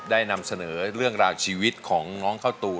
นำเสนอเรื่องราวชีวิตของน้องข้าวตู